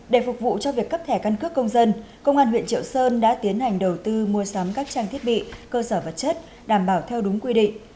để phục vụ cho việc cấp thẻ căn cước công dân công an huyện triệu sơn đã tiến hành đầu tư mua sắm các trang thiết bị cơ sở vật chất đảm bảo theo đúng quy định